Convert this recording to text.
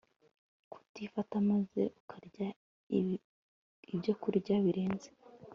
Kutifata maze ukarya ibyokurya birengeje